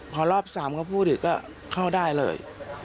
พอรอบ๓เขาพูดอีกก็เข้าได้เลย